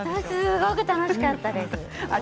すごく楽しかったです。